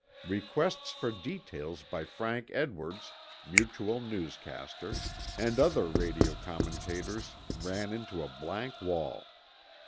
Requests for details by Frank Edwards, Mutual newscaster, and other radio commentators ran into a blank wall.